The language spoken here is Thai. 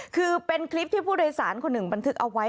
คือเป็นคลิปที่ผู้โดยสารคนหนึ่งบันทึกเอาไว้